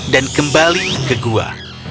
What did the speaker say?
dan kembali ke gua